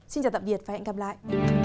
xin chào tạm biệt và hẹn gặp lại